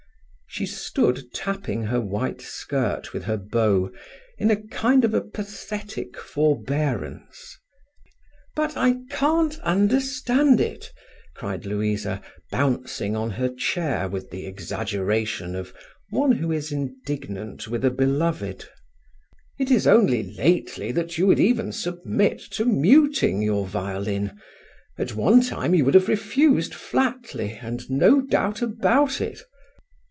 She stood tapping her white skirt with her bow in a kind of a pathetic forbearance. "But I can't understand it," cried Louisa, bouncing on her chair with the exaggeration of one who is indignant with a beloved. "It is only lately you would even submit to muting your violin. At one time you would have refused flatly, and no doubt about it."